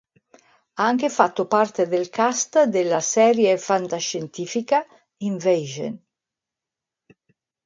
Ha anche fatto parte del cast della serie fantascientifica Invasion.